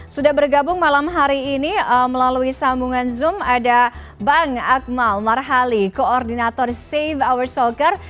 sudah bergabung malam hari ini melalui sambungan zoom ada bang akmal marhali koordinator safe our soccer